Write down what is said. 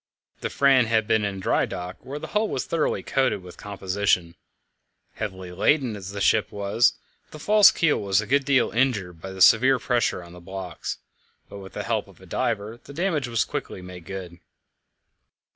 The Fram had been in dry dock, where the hull was thoroughly coated with composition. Heavily laden as the ship was, the false keel was a good deal injured by the severe pressure on the blocks, but with the help of a diver the damage was quickly made good.